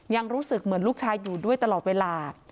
ยังรู้สึกเหมือนลูกชายอยู่ด้วยตลอดเวลา